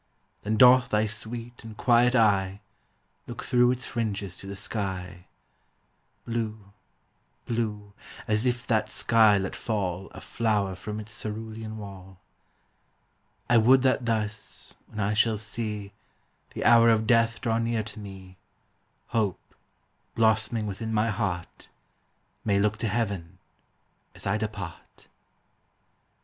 Then doth thy sweet and quiet eye Look through its fringes to the sky, Blue — blue — as if that sky let fall A flower from its cerulean wall. TREES: FLOWERS: PLANTS. 285 I would that thus, when I shall Bee The hour of death draw bear to me, Hope, blossoming within my heart, May look to heaven as I depart.